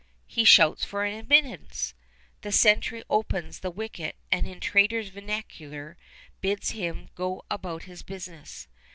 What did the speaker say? He shouts for admittance. The sentry opens the wicket and in traders' vernacular bids him go about his business.